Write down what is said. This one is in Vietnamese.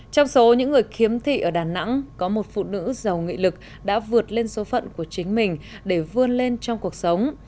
trong số những người khiếm thị ở đà nẵng có một phụ nữ giàu nghị lực đã vượt lên số phận của chính mình để vươn lên trong cuộc sống